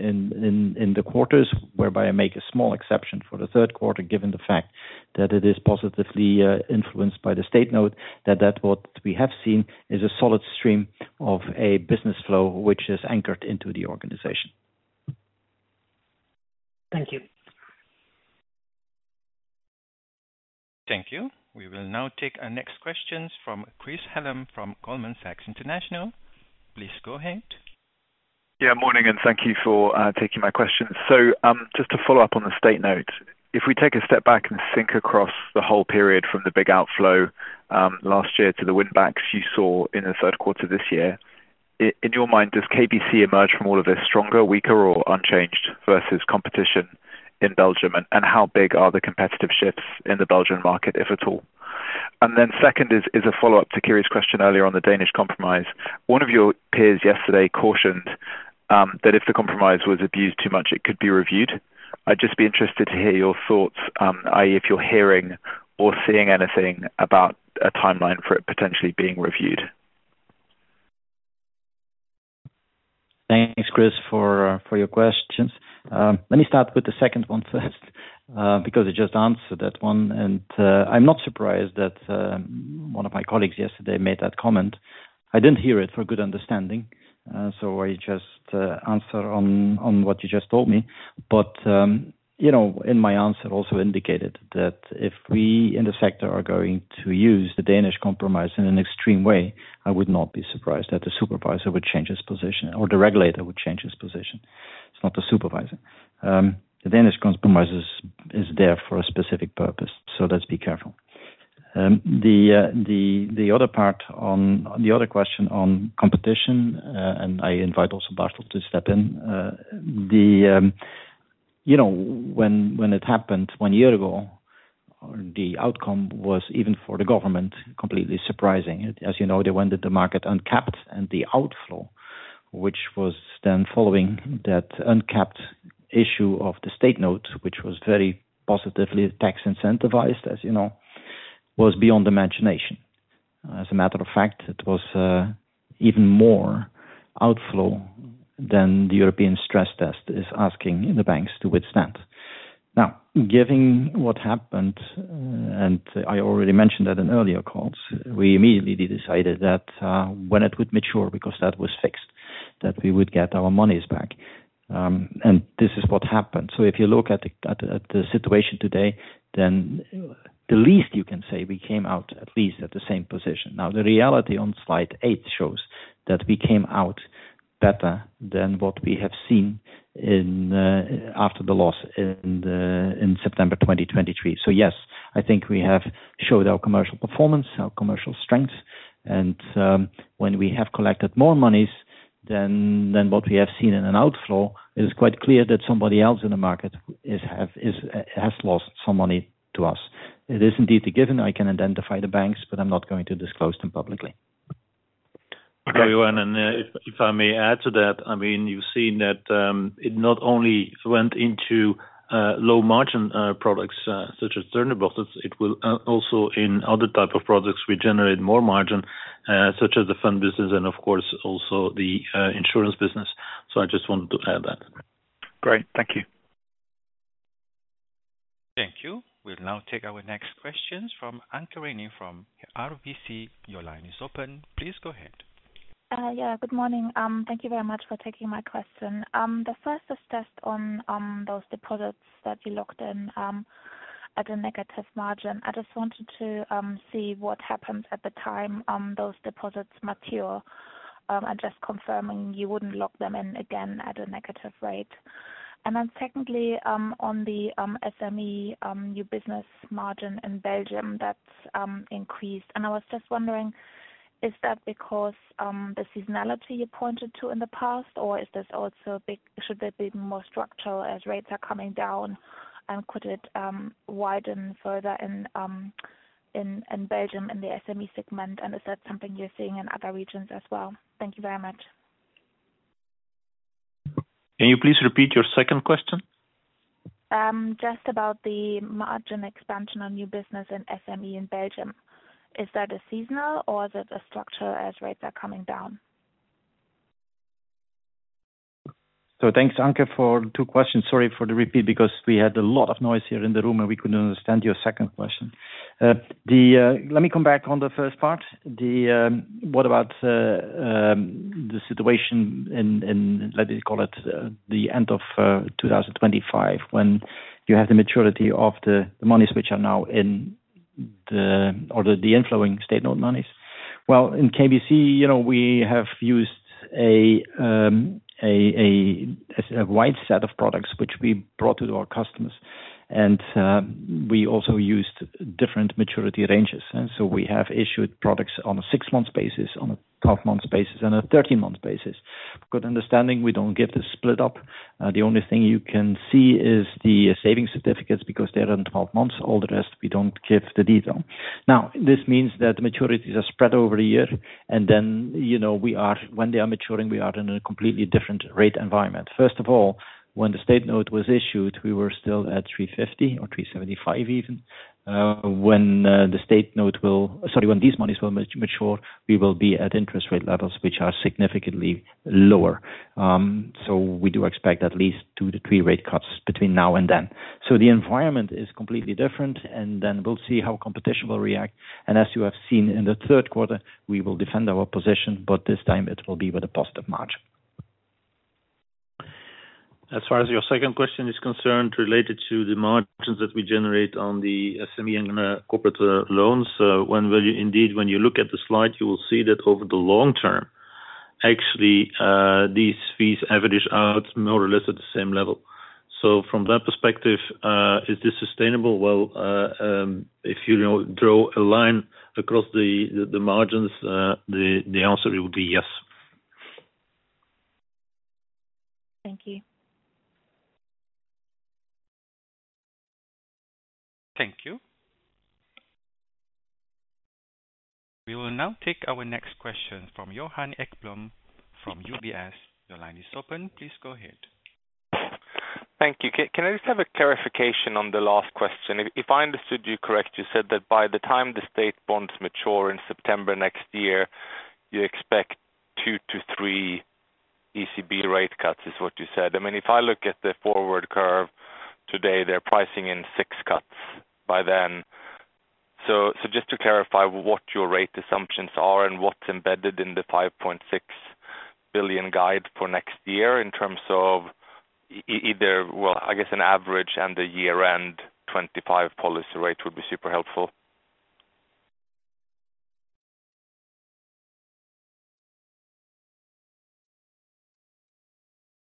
in the quarters, whereby I make a small exception for the third quarter, given the fact that it is positively influenced by the State Note, that what we have seen is a solid stream of a business flow which is anchored into the organization. Thank you. Thank you. We will now take our next questions from Chris Hallam from Goldman Sachs International. Please go ahead. Yeah, morning, and thank you for taking my questions. So just to follow up on the State Note, if we take a step back and think across the whole period from the big outflow last year to the win-backs you saw in the third quarter this year, in your mind, does KBC emerge from all of this stronger, weaker, or unchanged versus competition in Belgium, and how big are the competitive shifts in the Belgian market, if at all? And then second is a follow-up to Kiri's question earlier on the Danish Compromise. One of your peers yesterday cautioned that if the compromise was abused too much, it could be reviewed. I'd just be interested to hear your thoughts, i.e., if you're hearing or seeing anything about a timeline for it potentially being reviewed. Thanks, Chris, for your questions. Let me start with the second one first because you just answered that one. And I'm not surprised that one of my colleagues yesterday made that comment. I didn't hear it for good understanding, so I just answered on what you just told me. But in my answer, I also indicated that if we in the sector are going to use the Danish Compromise in an extreme way, I would not be surprised that the supervisor would change his position or the regulator would change his position. It's not the supervisor. The Danish Compromise is there for a specific purpose, so let's be careful. The other part on the other question on competition, and I invite also Bartel to step in, when it happened one year ago, the outcome was even for the government completely surprising. As you know, they went into the market uncapped, and the outflow, which was then following that uncapped issue of the State Note, which was very positively tax incentivized, as you know, was beyond imagination. As a matter of fact, it was even more outflow than the European stress test is asking the banks to withstand. Now, given what happened, and I already mentioned that in earlier calls, we immediately decided that when it would mature because that was fixed, that we would get our monies back, and this is what happened, so if you look at the situation today, then the least you can say we came out at least at the same position. Now, the reality on slide eight shows that we came out better than what we have seen after the loss in September 2023. So yes, I think we have showed our commercial performance, our commercial strength. And when we have collected more monies than what we have seen in an outflow, it is quite clear that somebody else in the market has lost some money to us. It is indeed a given. I can identify the banks, but I'm not going to disclose them publicly. Okay, Johan. And if I may add to that, I mean, you've seen that it not only went into low-margin products such as term deposits, it will also in other types of products we generate more margin, such as the fund business and, of course, also the insurance business. So I just wanted to add that. Great. Thank you. Thank you. We'll now take our next questions from Anke Reingen from RBC. Your line is open. Please go ahead. Yeah, good morning. Thank you very much for taking my question. The first is just on those deposits that you locked in at a negative margin. I just wanted to see what happens at the time those deposits mature. I'm just confirming you wouldn't lock them in again at a negative rate. And then secondly, on the SME new business margin in Belgium, that's increased. And I was just wondering, is that because the seasonality you pointed to in the past, or is this also should there be more structure as rates are coming down, and could it widen further in Belgium in the SME segment? And is that something you're seeing in other regions as well? Thank you very much. Can you please repeat your second question? Just about the margin expansion on new business in SME in Belgium. Is that a seasonal, or is it a structure as rates are coming down? So thanks, Anke, for the two questions. Sorry for the repeat because we had a lot of noise here in the room, and we couldn't understand your second question. Let me come back on the first part. What about the situation in, let me call it, the end of 2025 when you have the maturity of the monies which are now in the, or the inflowing State Note monies? Well, in KBC, we have used a wide set of products which we brought to our customers. And we also used different maturity ranges. And so we have issued products on a six-month basis, on a twelve-month basis, and a thirteen-month basis. Good understanding. We don't give the split up. The only thing you can see is the savings certificates because they're in 12 months. All the rest, we don't give the detail. Now, this means that the maturities are spread over a year. And then when they are maturing, we are in a completely different rate environment. First of all, when the State Note was issued, we were still at 350 or 375 even. When the State Note will, sorry, when these monies will mature, we will be at interest rate levels which are significantly lower. So we do expect at least two to three rate cuts between now and then. So the environment is completely different. And then we'll see how competition will react. And as you have seen in the third quarter, we will defend our position, but this time it will be with a positive margin. As far as your second question is concerned, related to the margins that we generate on the SME and corporate loans, indeed, when you look at the slide, you will see that over the long term, actually, these fees average out more or less at the same level. So from that perspective, is this sustainable? Well, if you draw a line across the margins, the answer would be yes. Thank you. Thank you. We will now take our next question from Johan Ekblom from UBS. Your line is open. Please go ahead. Thank you. Can I just have a clarification on the last question? If I understood you correct, you said that by the time the state bonds mature in September next year, you expect two to three ECB rate cuts is what you said. I mean, if I look at the forward curve today, they're pricing in six cuts by then. So just to clarify what your rate assumptions are and what's embedded in the 5.6 billion guide for next year in terms of either, well, I guess an average and a year-end 2025 policy rate would be super helpful.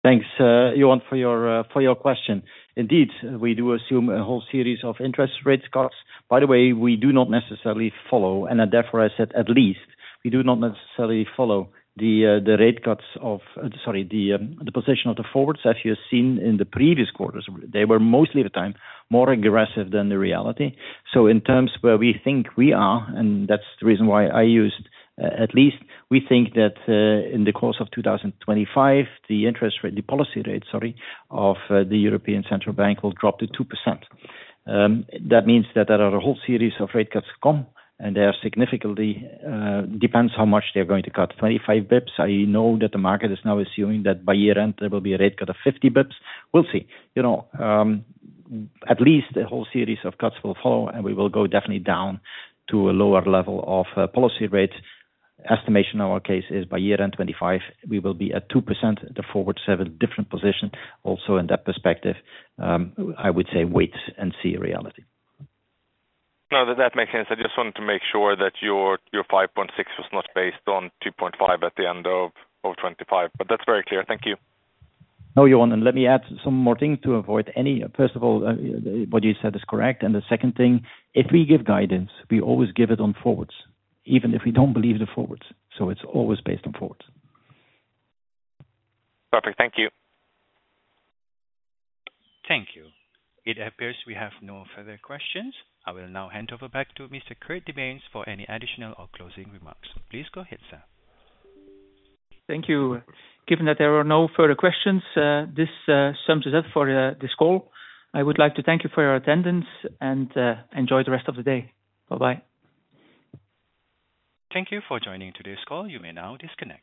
Thanks, Johan, for your question. Indeed, we do assume a whole series of interest rate cuts. By the way, we do not necessarily follow, and therefore I said at least we do not necessarily follow the rate cuts of—sorry, the position of the forwards, as you have seen in the previous quarters. They were mostly at a time more aggressive than the reality. So, in terms where we think we are, and that's the reason why I used at least. We think that in the course of 2025, the interest rate, the policy rate, sorry, of the European Central Bank will drop to 2%. That means that there are a whole series of rate cuts to come, and there significantly depends how much they're going to cut 25 basis points. I know that the market is now assuming that by year-end, there will be a rate cut of 50 basis points. We'll see. At least a whole series of cuts will follow, and we will go definitely down to a lower level of policy rates. Estimation in our case is by year-end 2025, we will be at 2%. The forwards have a different position. Also in that perspective, I would say wait and see reality. No, that makes sense. I just wanted to make sure that your 5.6 billion was not based on 2.5 billion at the end of 2025, but that's very clear. Thank you. No, Johan. And let me add some more things to avoid any. First of all, what you said is correct. And the second thing, if we give guidance, we always give it on forwards, even if we don't believe the forwards. So it's always based on forwards. Perfect. Thank you. Thank you. It appears we have no further questions. I will now hand over back to Mr. Kurt De Baenst for any additional or closing remarks. Please go ahead, sir. Thank you. Given that there are no further questions, this sums it up for this call. I would like to thank you for your attendance and enjoy the rest of the day. Bye-bye. Thank you for joining today's call. You may now disconnect.